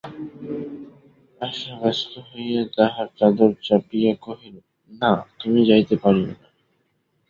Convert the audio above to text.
আশা ব্যস্ত হইয়া তাহার চাদর চাপিয়া কহিল, না, তুমি যাইতে পারিবে না।